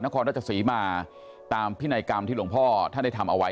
ครราชศรีมาตามพินัยกรรมที่หลวงพ่อท่านได้ทำเอาไว้